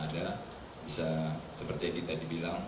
yang ada bisa seperti kita dibilang